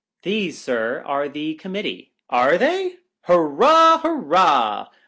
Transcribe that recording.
— These, Sir, are the Committee. — Are they 1 Hurrah ! hurrah !